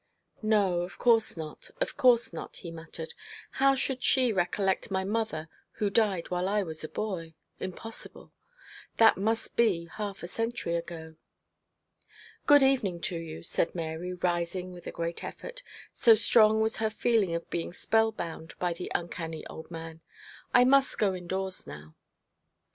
'No, of course not, of course not,' he muttered; 'how should she recollect my mother, who died while I was a boy? Impossible. That must be half a century ago.' 'Good evening to you,' said Mary, rising with a great effort, so strong was her feeling of being spellbound by the uncanny old man, 'I must go indoors now.'